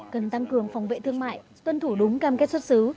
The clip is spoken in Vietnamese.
cần tăng cường phòng vệ thương mại tuân thủ đúng cam kết xuất xứ